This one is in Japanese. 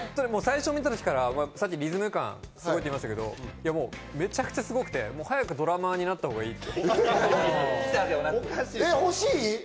最初見たときからリズム感がすごいって言いましたけど、めちゃくちゃすごくて、早くドラマーになったほうがいいって。